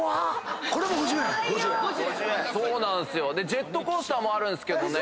ジェットコースターもあるんすけどね。